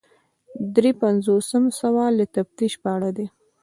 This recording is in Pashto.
درې پنځوسم سوال د تفتیش په اړه دی.